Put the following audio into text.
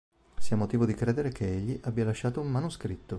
Si ha motivo di credere che egli abbia lasciato un manoscritto.